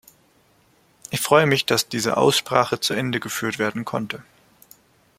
Ich freue mich, dass diese Aussprache zu Ende geführt werden konnte.